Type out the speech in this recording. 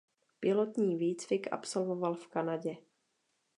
Pilotní výcvik absolvoval v Kanadě.